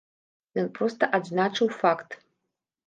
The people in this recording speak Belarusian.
Ён проста адзначыў факт.